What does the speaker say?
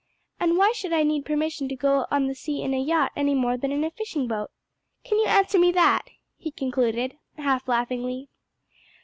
And why should I need permission to go on the sea in a yacht any more than in a fishing boat? Can you answer me that?" he concluded, half laughingly.